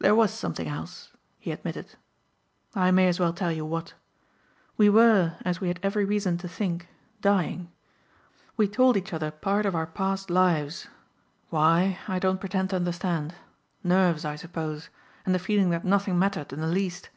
"There was something else," he admitted. "I may as well tell you what. We were, as we had every reason to think, dying. We told each other part of our past lives. Why I don't pretend to understand. Nerves I suppose and the feeling that nothing mattered in the least.